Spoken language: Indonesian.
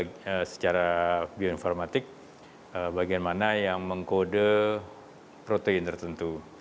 secara bioinformatik bagian mana yang mengkode protein tertentu